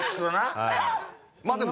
はい。